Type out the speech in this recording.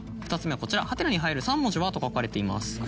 ２つ目はこちら「？に入る３文字は」と書かれています。